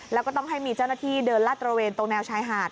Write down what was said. แล้วก็ต้องให้มีเจ้าหน้าที่เดินลาดตระเวนตรงแนวชายหาด